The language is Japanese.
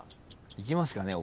行きますかね？